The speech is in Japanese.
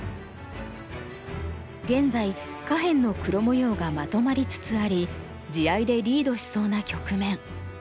現在下辺の黒模様がまとまりつつあり地合いでリードしそうな局面。